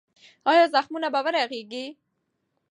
ایا زخمونه به ورغېږي؟